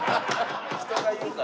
人が言うから。